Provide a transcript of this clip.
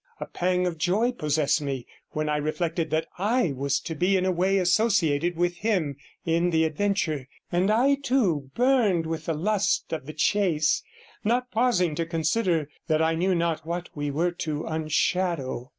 A pang of joy possessed me when I reflected that I was to be in a way associated with him in the adventure, and I, too, burned with the lust of the chase, not pausing to consider that I knew not what we were to unshadow.